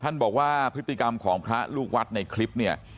ท่านบอกว่าพฤติกรรมของพระลูกวัดในคลิปเนี่ย